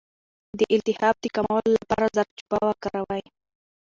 د التهاب د کمولو لپاره زردچوبه وکاروئ